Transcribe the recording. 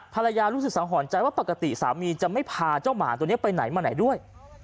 รู้สึกสังหรณ์ใจว่าปกติสามีจะไม่พาเจ้าหมาตัวนี้ไปไหนมาไหนด้วย